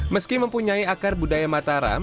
meski mempunyai akar budaya mataram